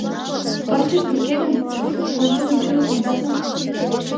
— Пырчышт уке гын, коншудым кӱрын кондат мо?..